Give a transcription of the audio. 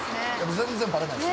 全然バレないです。